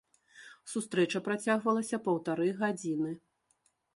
Сустрэча працягвалася паўтары гадзіны.